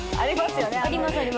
ありますよね。